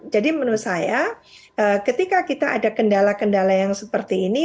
jadi menurut saya ketika kita ada kendala kendala yang seperti ini